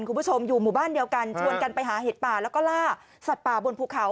คุณผู้ชมอยู่หมู่บ้านเดียวกันชวนกันไปหาเห็ดป่าแล้วก็ล่าสัตว์ป่าบนภูเขา